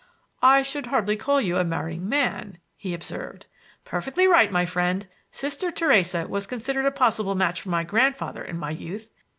"I should hardly call you a marrying man," he observed. "Perfectly right, my friend! Sister Theresa was considered a possible match for my grandfather in my youth.